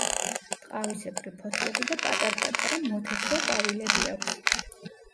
ტყავისებრი ფოთლები და პატარ-პატარა მოთეთრო ყვავილები აქვს.